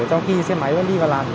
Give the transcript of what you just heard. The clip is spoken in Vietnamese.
trong khi xe máy vẫn đi vào làn